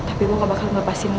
aku akan menanggapmu